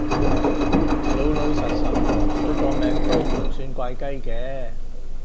老老實實，佢個名都唔算怪雞嘅